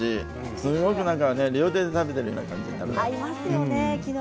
すごく料亭で食べているような感じ。